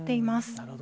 なるほど。